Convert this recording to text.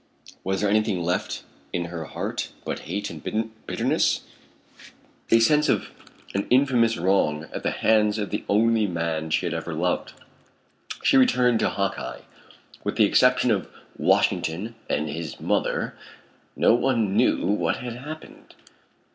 Was there anything left in her heart but hate and bitterness, a sense of an infamous wrong at the hands of the only man she had ever loved? She returned to Hawkeye. With the exception of Washington and his mother, no one knew what had happened.